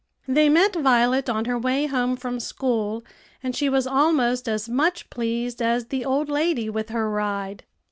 They met Violet on her way home from school, and she was almost as much pleased as the old lady with her ride.